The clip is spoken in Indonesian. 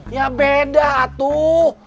ya beda tuh